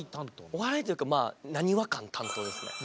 お笑いというかまあ「なにわ感」担当ですね。